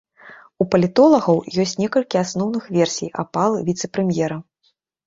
У палітолагаў ёсць некалькі асноўных версій апалы віцэ-прэм'ера.